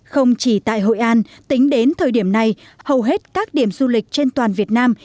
không chỉ tại hội an tính đến thời điểm này hầu hết các điểm du lịch trên toàn việt nam